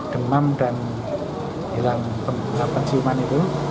demam dan hilang penciuman itu